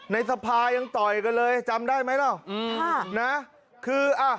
ในสภายังต่อยกันเลยจำได้ไหมแล้ว